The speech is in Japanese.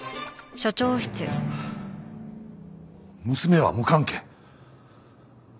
娘は無関係？